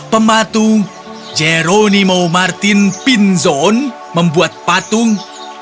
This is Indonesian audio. pematung jeronimo martin pinzon membuat patung